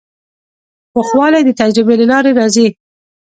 پوخوالی د تجربې له لارې راځي.